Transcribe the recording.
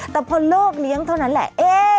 แต่พอเลิกเลี้ยงเท่านั้นแหละ